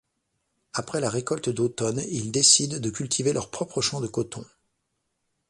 Après la récolte d'automne, ils décident de cultiver leur propre champ de coton.